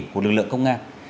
của lực lượng công an